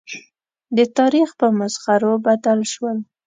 د تاریخ په مسخرو بدل شول.